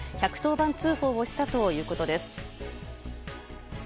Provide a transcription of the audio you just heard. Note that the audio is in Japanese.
番通報をしたということです。